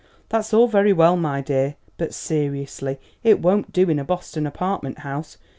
That's all very well, my dear; but, seriously, it won't do in a Boston apartment house.